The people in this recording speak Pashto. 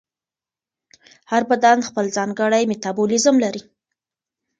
هر بدن خپل ځانګړی میتابولیزم لري.